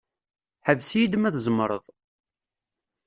Ḥbes-iyi-d ma tzemreḍ.